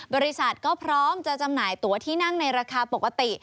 บริษัทก็พร้อมจะจำหน่ายตัวที่นั่งในราคาปกติ